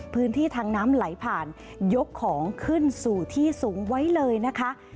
พื้นที่ทางน้ำไหลผ่านยกของขึ้นสู่ที่สูงไว้เลยนะคะ